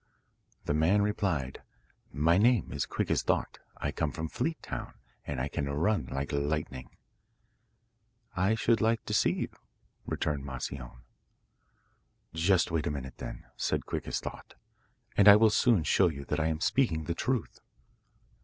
The man replied, 'My name is Quick as Thought, I come from Fleet town, and I can run like lightning.' 'I should like to see you,' returned Moscione. 'Just wait a minute, then,' said Quick as Thought, 'and I will soon show you that I am speaking the truth.